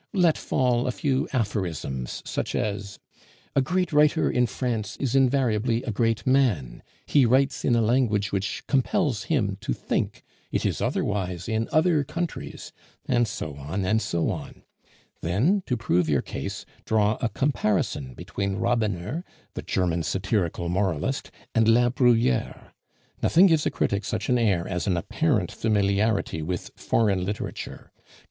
Let fall a few aphorisms, such as 'A great writer in France is invariably a great man; he writes in a language which compels him to think; it is otherwise in other countries' and so on, and so on. Then, to prove your case, draw a comparison between Rabener, the German satirical moralist, and La Bruyere. Nothing gives a critic such an air as an apparent familiarity with foreign literature.